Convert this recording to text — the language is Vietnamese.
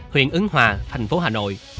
huyện ứng hòa thành phố hà nội